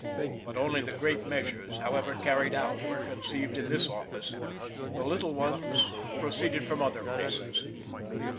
But only the great measures, however carried out, were conceived in this office. The little ones proceeded from other places..